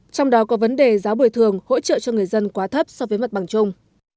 trong đó có vấn đề giáo bồi thường hỗ trợ cho người dân quá thấp so với mặt bằng chung